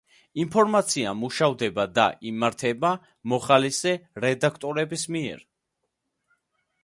ინფორმაცია მუშავდება და იმართება მოხალისე რედაქტორების მიერ.